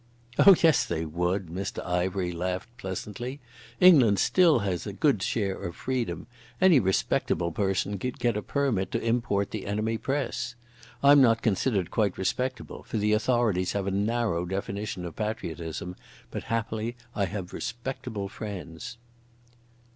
"Oh yes they would." Mr Ivery laughed pleasantly. "England has still a good share of freedom. Any respectable person can get a permit to import the enemy press. I'm not considered quite respectable, for the authorities have a narrow definition of patriotism, but happily I have respectable friends."